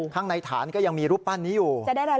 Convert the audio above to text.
ข้างในฐานก็ยังมีรูปปั้นนี้อยู่